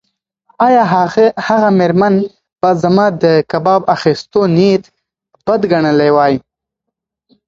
ایا هغه مېرمن به زما د کباب اخیستو نیت بد ګڼلی وای؟